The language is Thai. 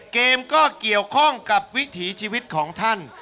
เกมก็เกี่ยวข้องกับวิถีชีวิตของท่าน